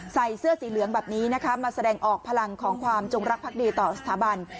ใส่เสื้อสีเหลืองแบบนี้นะคะมาแสดงออกพลังของความจงรักพักดีต่อสถาบัน